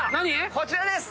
こちらです！